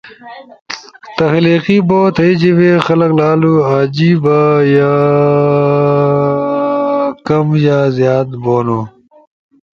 تخلیقی بو۔ تھئی جیبے خلق لالو عیجنا یا کم یا زیاد بونو۔